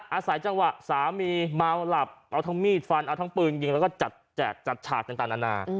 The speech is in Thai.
อาศัยจังหวะสามีเมาหลับเอาทั้งมีดฟันเอาทั้งปืนยิงแล้วก็จัดฉากต่างนานา